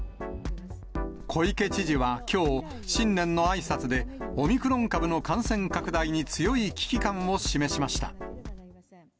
小池知事はきょう、新年のあいさつで、オミクロン株の感染拡大に強い危機感を示しました。